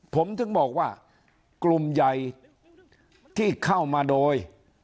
ผมถึงบอกว่ากลุ่มใหญ่ที่เข้ามาโดย